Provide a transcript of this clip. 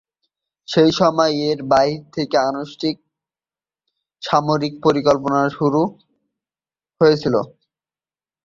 সেই সময়ে, বাইরে থেকে আনুষ্ঠানিক সামরিক পরিকল্পনা শুরু হয়েছিল।